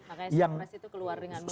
makanya surprise itu keluar dengan baik